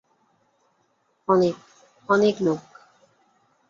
অনেক, অনেক লোক।